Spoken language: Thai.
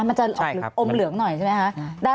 มันจะออกอมเหลืองหน่อยใช่ไหมคะ